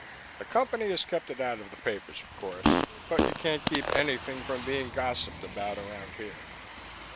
"The Company has kept it out of the papers, of course, but you can't keep anything from being gossiped about around here.